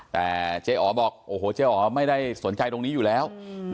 แต่เจ๊อ๋อบอกโอ้โหเจ๊อ๋อไม่ได้สนใจตรงนี้อยู่แล้ว